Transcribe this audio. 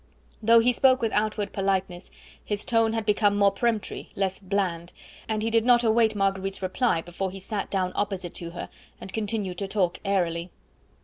Though he spoke with outward politeness, his tone had become more peremptory, less bland, and he did not await Marguerite's reply before he sat down opposite to her and continued to talk airily.